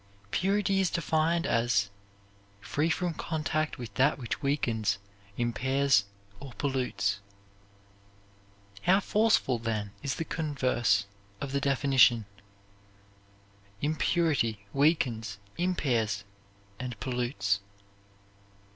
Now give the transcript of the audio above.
Purity is defined as "free from contact with that which weakens, impairs or pollutes." How forceful then is the converse of the definition: Impurity weakens, impairs, and pollutes.